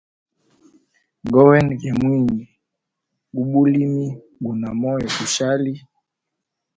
Ndemwena ge mwine u bulimi, guna moyo gushali.